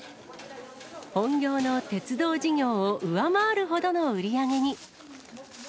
本業の鉄道事業を上回るほどの売り上げに。